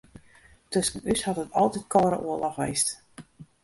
Tusken ús hat it altyd kâlde oarloch west.